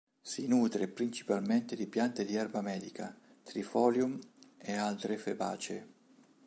Si nutre principalmente di piante di erba medica, Trifolium e altre Fabaceae.